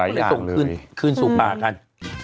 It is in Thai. มีหลายอย่างเลยคืนสู่ป่ากัน